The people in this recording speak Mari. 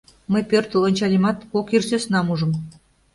Мый пӧртыл ончальымат, кок ир сӧснам ужым.